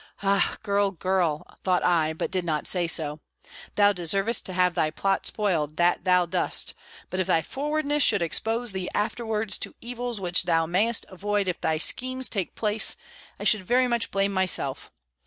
"Ah! girl, girl!" thought I, but did not say so, "thou deservest to have thy plot spoiled, that thou dost But if thy forwardness should expose thee afterwards to evils which thou mayest avoid if thy schemes take place, I should very much blame myself.